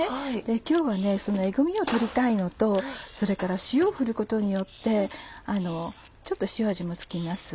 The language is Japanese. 今日はエグミを取りたいのとそれから塩を振ることによってちょっと塩味も付きます。